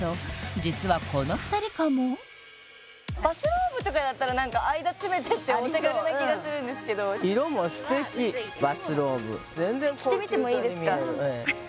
実はこの２人かもバスローブとかだったら何か間詰めてってお手軽な気がするんですけどありそううん色も素敵バスローブ全然高級そうに見えるええ